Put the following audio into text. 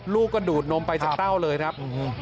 ลูกก็ดูดนมไปจากเต้าเลยครับ